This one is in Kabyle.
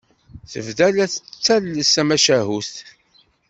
Tebda la d-tettales tamacahut.